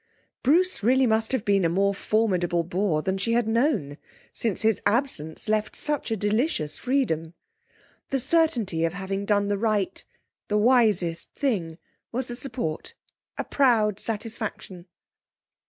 Bruce really must have been a more formidable bore than she had known, since his absence left such a delicious freedom. The certainty of having done the right, the wisest thing, was a support, a proud satisfaction.